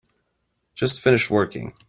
Just finished working.